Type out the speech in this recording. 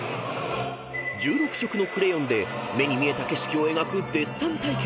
［１６色のクレヨンで目に見えた景色を描くデッサン対決］